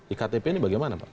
ektp ini bagaimana pak